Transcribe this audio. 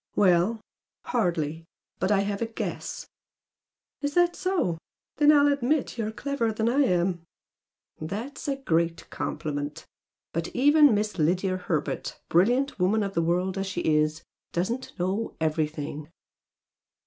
"Well, hardly! But I have a guess!" "Is that so? Then I'll admit you're cleverer than I am!" "Thats a great compliment! But even Miss Lydia Herbert, brilliant woman of the world as she is, doesn't know EVERYTHING!"